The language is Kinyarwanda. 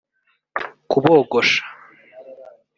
kubogosha